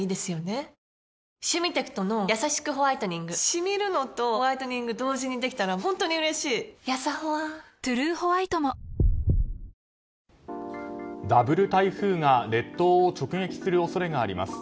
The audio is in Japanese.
シミるのとホワイトニング同時にできたら本当に嬉しいやさホワ「トゥルーホワイト」もダブル台風が列島を直撃する恐れがあります。